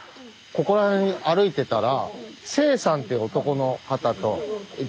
ここら辺歩いてたら勢さんっていう男の方と。